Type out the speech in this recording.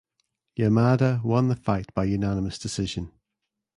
Yamada won the fight by unanimous decision.